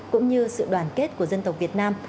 cũng như sự đoàn kết của dân tộc việt nam